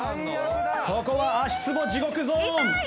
ここは足つぼ地獄ゾーン。